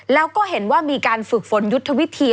แล้วก็เห็นว่ามีการฝึกฝนยุทธวิธี